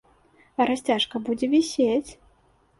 А расцяжка будзе вісець!